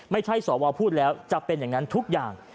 ไม่ใช่สวพูดแล้วจะเป็นอย่างนั้นทุกอย่าง